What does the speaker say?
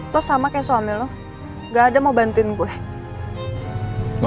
kau sama kayak suami lo enggak ada mau bantuin gue ngomong apa